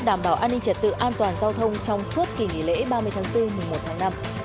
đảm bảo an ninh trật tự an toàn giao thông trong suốt kỳ nghỉ lễ ba mươi tháng bốn mùa một tháng năm